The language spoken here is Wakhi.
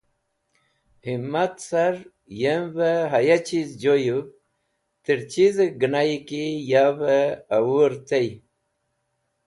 Himat car yemvẽ haya chiz joyũv tẽr chizẽ genayi ki yavẽ ẽwũr tey.